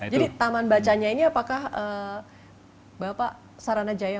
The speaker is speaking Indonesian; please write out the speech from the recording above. jadi taman bacanya ini apakah bapak saranajaya